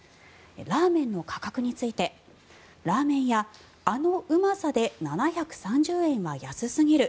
ラーメンの価格についてラーメン屋あのうまさで７３０円は安すぎる